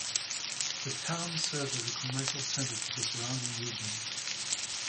The town serves as a commercial center for the surrounding region.